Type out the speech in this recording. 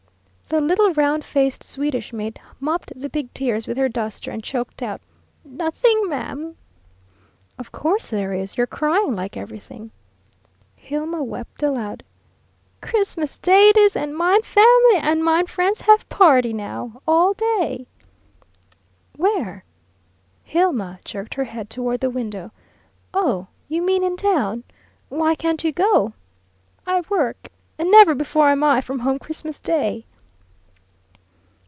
The little round faced Swedish maid mopped the big tears with her duster, and choked out: "Nothings, ma'am!" "Of course there is! You're crying like everything." Hilma wept aloud. "Christmas Day it is, and mine family and mine friends have party, now, all day." "Where?" Hilma jerked her head toward the window. "Oh, you mean in town? Why can't you go?" "I work. And never before am I from home Christmas day."